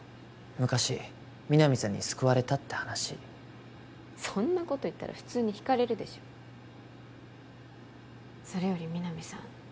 昔皆実さんに救われたって話そんなこと言ったら普通に引かれるでしょそれより皆実さん